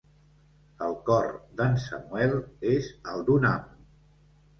El cor d'en Samuel és el d'un amo.